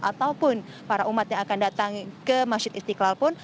ataupun para umat yang akan datang ke masjid istiqlal pun